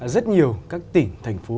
rất nhiều các tỉnh thành phố